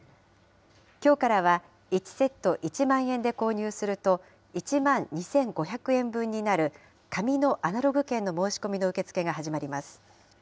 きょうからは、１セット１万円で購入すると、１万２５００円分になる紙のアナログ券の申し込みの受け付けが始まります。